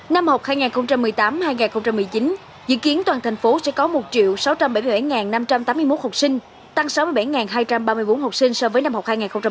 năm học hai nghìn một mươi tám hai nghìn một mươi chín dự kiến toàn thành phố sẽ có một sáu trăm bảy mươi bảy năm trăm tám mươi một học sinh tăng sáu mươi bảy hai trăm ba mươi bốn học sinh so với năm học hai nghìn một mươi hai nghìn một mươi tám